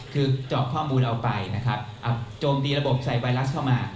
คือเจาะข้อมูลเราไปนะครับโจมตีระบบใส่ไวรัสเข้ามา